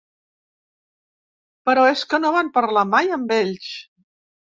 Però és que no van parlar mai amb ells!